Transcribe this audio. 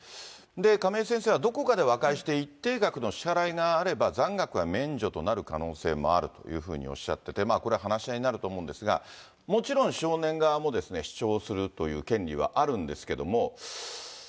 亀井先生はどこかで和解して一定額の支払いがあれば、残額は免除となる可能性もあるというふうにおっしゃってて、これは話し合いになると思うんですが、もちろん、少年側も主張するという権利はあるんですけれども。